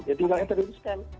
ya tinggal ethereum scan